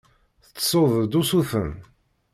Tettessuḍ-d usuten.